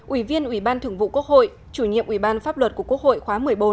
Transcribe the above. ủy viên ủy ban thường vụ quốc hội chủ nhiệm ủy ban pháp luật của quốc hội khóa một mươi bốn